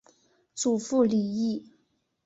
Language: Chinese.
祖父李毅。